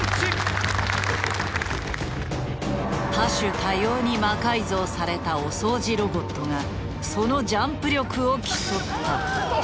多種多様に魔改造されたお掃除ロボットがそのジャンプ力を競った。